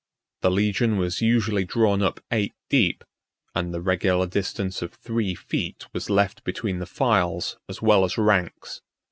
45 The legion was usually drawn up eight deep; and the regular distance of three feet was left between the files as well as ranks.